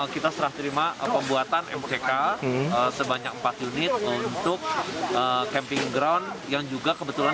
kita serah terima pembuatan mck sebanyak empat unit untuk camping ground yang juga kebetulan